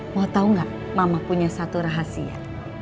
mau tahu nggak mama punya satu rahasia